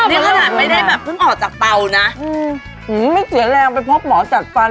นี่แหละไม่ได้แบบเพิ่งออกจากเปานะอื้อนี่ไม่เสียแรงไปพบหมอจัดฟัน